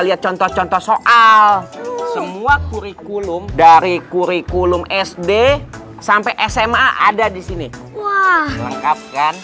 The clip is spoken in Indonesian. lihat contoh contoh soal semua kurikulum dari kurikulum sd sampai sma ada di sini wah lengkap kan